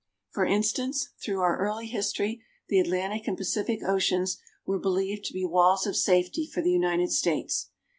For instance, through our early history the Atlantic and Pacific Oceans were believed to be walls of safety for the United States.